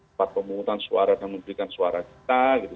empat pemutusan suara dan memberikan suara kita